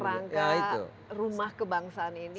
yang dalam rangka rumah kebangsaan ini